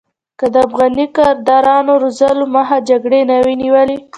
که د افغاني کادرونو روزلو مخه جګړې نه وی نیولې.